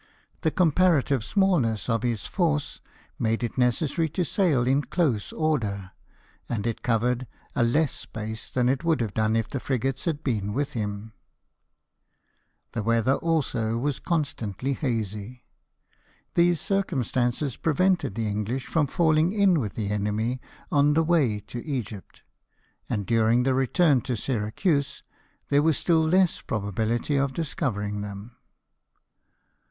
The com parative smallness of his force made it necessary to sail in close order, and it covered a less space than it would have done if the frigates had been with him. 136 LIFE OF NELSON. The weather also was constantly hazy. These circum stances prevented the English from falling in with the enemy on the way to Egypt, and during the return to Syracuse there was still less probability of discovering them.